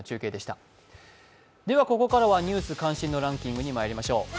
ここからは「ニュース関心度ランキング」にまいりましょう。